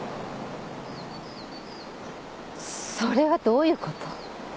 それはどういうこと？